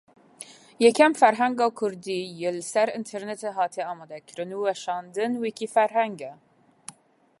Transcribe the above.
Yekem ferhenga kurdî ya li ser înternetê hatiye amadekirin û weşandin Wîkîferheng e.